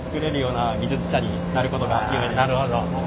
なるほど。